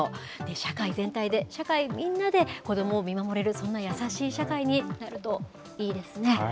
社会全体で、社会みんなで子どもを見守れる、そんな優しい社会になるといいですね。